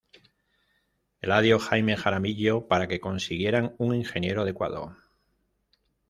Eladio Jaime Jaramillo para que consiguieran un ingeniero adecuado.